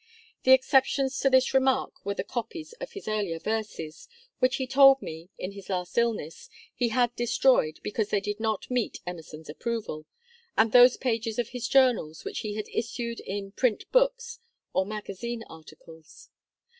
The exceptions to this remark were the copies of his earlier verses, which he told me, in his last illness, he had destroyed, because they did not meet Emerson's approval, and those pages of his Journals which he had issued in printed books or magazine articles.